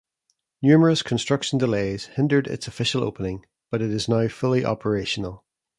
Numerous construction delays hindered its official opening, but it is now fully operational.